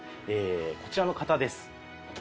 こちらの方です。